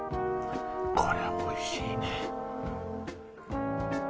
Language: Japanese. これはおいしいね